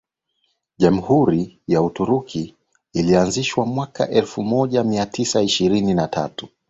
Jamhuri ya Uturuki ilianzishwa mwaka elfumoja miatisa ishirini na tatu